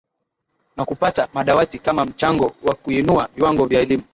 Na kupata madawati kama mchango wa kuinua viwango vya elimu.